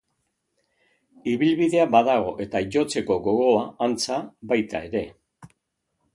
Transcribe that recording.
Ibilbidea badago eta jotzeko gogoa, antza, baita ere.